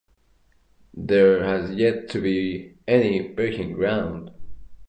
There has yet to be any breaking ground.